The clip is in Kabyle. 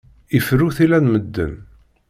Iferru tilla n medden.